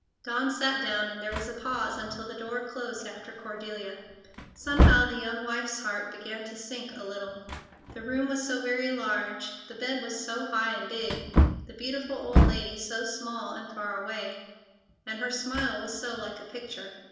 Dawn sat down, and there was a pause until the door closed after Cordelia. Somehow, the young wife's heart began to sink a little. The room looked so very large, the bed was so high and big, the beautiful old lady so small and far away, and her smile was so like a picture.